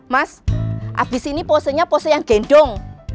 mas abis ini posenya pose yang gendong